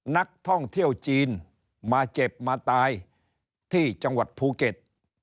นักท่องเที่ยวจีนมาเจ็บมาตายที่จังหวัดภูเก็ต